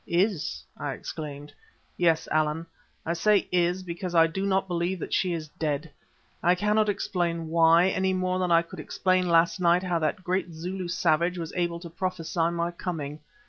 "Is!" I exclaimed. "Yes, Allan. I say is because I do not believe that she is dead. I cannot explain why, any more than I could explain last night how that great Zulu savage was able to prophesy my coming.